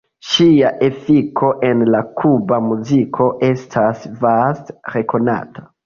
Ŝia efiko en la kuba muziko estas vaste rekonata.